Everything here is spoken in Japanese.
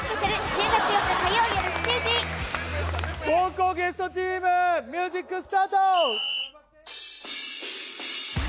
後攻ゲストチームミュージックスタート！